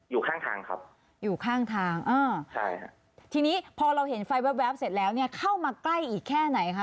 อยู่ข้างทางครับอยู่ข้างทางอ่าใช่ค่ะทีนี้พอเราเห็นไฟแวบเสร็จแล้วเนี่ยเข้ามาใกล้อีกแค่ไหนคะ